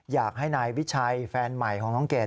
อยากให้ในวิชัยเพื่อนใหม่ของเกด